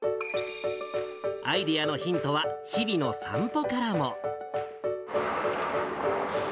アイデアのヒントは、日々の散歩からも。